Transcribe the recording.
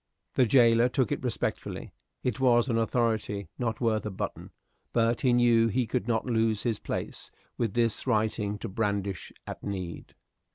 The jailer took it respectfully. It was an authority not worth a button; but he knew he could not lose his place, with this writing to brandish at need.